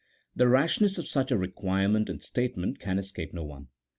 The rashness of such a requirement and statement can escape no one.